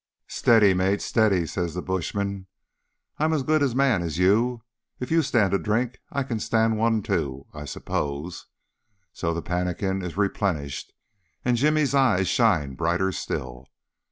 "Steady, mate, steady," says the bushman. "I'm as good a man as you. If you stand a drink I can stand one too, I suppose." So the pannikin is replenished, and Jimmy's eyes shine brighter still.